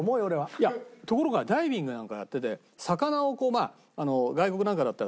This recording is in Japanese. いやところがダイビングやなんかやってて魚をこう外国なんかだったらとったりするじゃない。